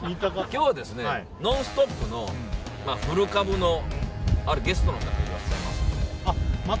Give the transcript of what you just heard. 今日は「ノンストップ！」の古株のあるゲストの方がいらっしゃいますので。